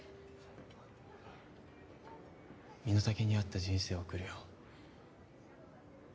身の丈に合った人生を送るよ。